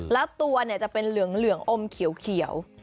แล้วตัวจะเป็นเหลืองอมเขียว